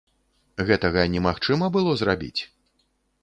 Гэтага немагчыма было зрабіць?